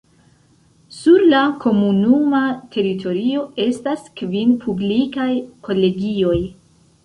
Sur la komunuma teritorio estas kvin publikaj kolegioj.